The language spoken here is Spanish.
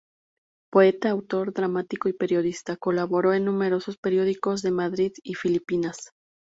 Poeta, autor dramático y periodista, colaboró en numerosos periódicos de Madrid y Filipinas.